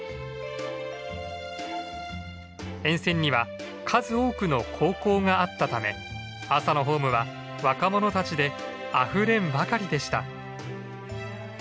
沿線には数多くの高校があったため朝のホームは若者たちであふれんばかりでした。